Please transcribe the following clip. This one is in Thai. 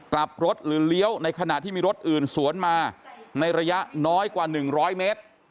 กลับรถหรือเลี้ยวในขณะที่มีรถอื่นสวนมาในระยะน้อยกว่า๑๐๐เมตร